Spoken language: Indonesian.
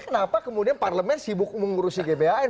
kenapa kemudian parlemen sibuk mengurusi gbhn